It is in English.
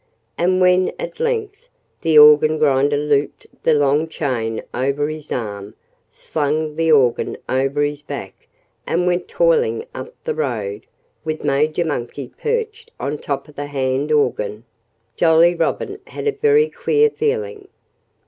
And when, at length, the organ grinder looped the long chain over his arm, slung the organ over his back, and went toiling up the road, with Major Monkey perched on top of the hand organ, Jolly Robin had a very queer feeling.